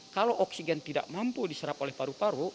kalau oksigen tidak mampu diserap oleh paru paru